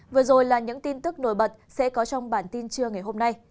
vừa rồi là những tin tức nổi bật sẽ có trong bản tin trưa ngày hôm nay